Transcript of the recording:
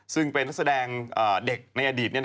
ซึ่งเป็นนักแสดงเด็กในอดีต